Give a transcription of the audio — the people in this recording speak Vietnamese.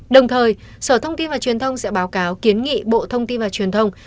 đồng thời sở thông tin và truyền thông sẽ báo cáo kiến nghị bộ thông tin và truyền thông